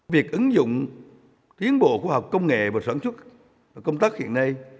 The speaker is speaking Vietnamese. việc ứng dụng tiến bộ của học công nghệ và sản xuất và công tác hiện nay